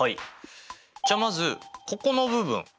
じゃあまずここの部分。